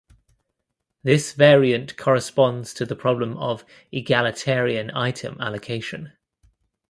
This variant corresponds to the problem of Egalitarian item allocation.